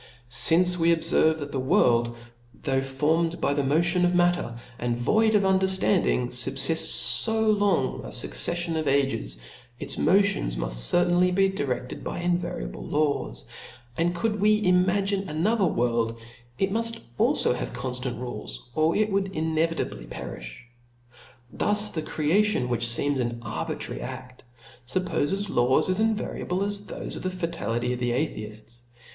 Since we oblerve that the world, though formed by the motion of matter, and void of underftanding, fubfifts through fo long a fucceflion of ages, its mo tions muft certainly be direded by invariable laws : and could we imagine another world, it muft alfb have ^onftant rules, or it would inevitably perifh. Thus the creation, which feems an arbitrary a6t, fuppofeth laws as invariable as thofe of ftie fatality of the Atheifts.